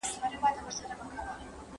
ښوونکي وويل چي سياست علم دی.